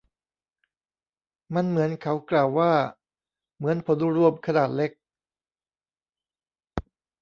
มันเหมือนเขากล่าวว่า เหมือนผลรวมขนาดเล็ก